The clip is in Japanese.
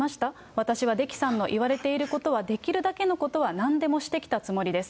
私は出来さんの言われていることは、できるだけのことはなんでもしてきたつもりです。